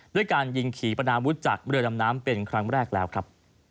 ด้วยการยิงขี่ปนาวุฒิจากเรือดำน้ำเป็นครั้งแรกแล้วครับ